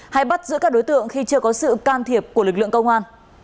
hay bắt giữ các đối tượng khi chưa có sự can thiệp của lực lượng công an